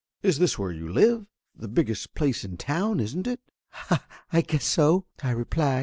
"Is this where you live? The biggest place in town, isn't it?" "I guess so," I replied.